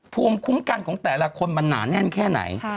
ภูมิคุ้มกันของแต่ละคนมันหนาแน่นแค่ไหน